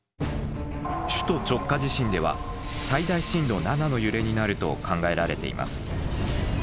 首都直下地震では最大震度７の揺れになると考えられています。